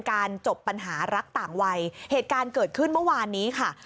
จบปัญหารักต่างวัยเหตุการณ์เกิดขึ้นเมื่อวานนี้ค่ะ